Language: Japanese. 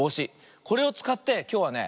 これをつかってきょうはね